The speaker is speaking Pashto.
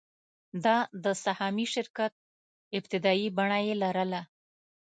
دا د سهامي شرکت ابتدايي بڼه یې لرله.